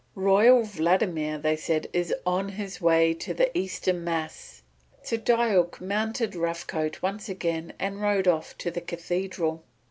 "Royal Vladimir," they said, "is on his way to the Easter Mass." So Diuk mounted Rough Coat once again and rode off to the Cathedral.